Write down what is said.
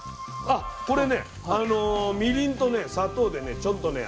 あこれねみりんとね砂糖でねちょっとね